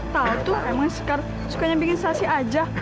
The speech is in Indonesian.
tahu tuh emang sekar sukanya bikin sasi aja